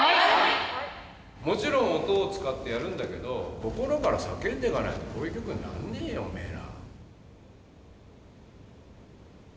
もちろん音を使ってやるんだけど心から叫んでかないとこういう曲になんねえよおめえら。